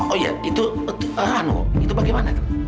oh iya itu ranwo itu bagaimana pak